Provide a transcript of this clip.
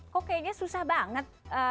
kok kayaknya susah banget